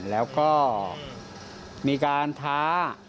แล้วก็มีการท้า